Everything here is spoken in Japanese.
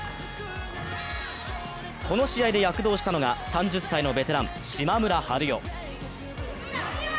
この試合で躍動したのが、３０歳のベテラン・島村春世。